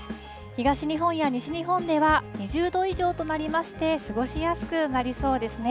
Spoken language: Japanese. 東日本や西日本では２０度以上となりまして、過ごしやすくなりそうですね。